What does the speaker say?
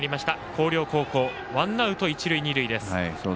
広陵高校、ワンアウト、一、二塁。